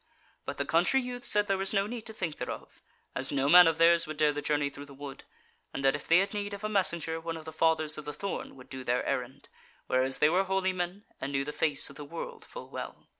But the country youth said there was no need to think thereof, as no man of theirs would dare the journey through the wood, and that if they had need of a messenger, one of the Fathers of the Thorn would do their errand, whereas they were holy men, and knew the face of the world full well.